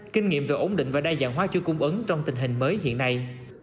kinh nghiệm về ổn định và đa dạng hóa chuỗi cung ứng trong tình hình mới hiện nay